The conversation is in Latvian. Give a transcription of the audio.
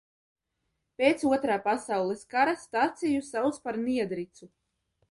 Pēc Otrā pasaules kara staciju sauc par Niedricu.